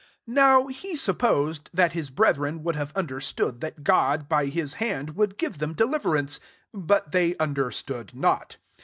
£5 Now he supposed that his brethren would have understood that God by his hand would give them deliverance: but they under stood not.